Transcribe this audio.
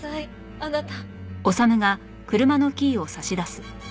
あなた！